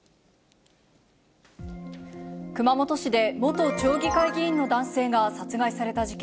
熊本市で元町議会議員の男性が殺害された事件。